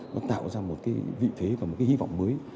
nó tạo ra một vị thế và một hy vọng mới